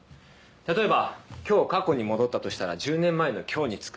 例えば今日過去に戻ったとしたら１０年前の今日に着く。